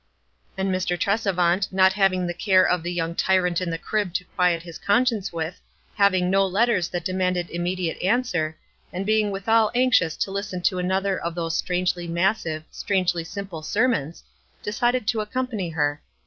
And Mr. Trescvant, not having the care of the young tyrant in the crib to quiet his con science with, having no letters that demanded immediate answer, and being withal anxious to listen to another of those strangely massive, strangely simple sermons, decided to accompany her.